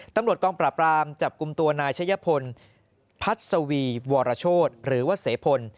ตำรวจกองปราบรามจับกลุ่มตัวนายชะยพลพัศวีวรโชธหรือว่าเสพล